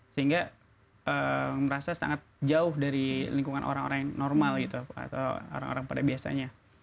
sehingga merasa sangat jauh dari lingkungan orang orang yang normal gitu atau orang orang pada biasanya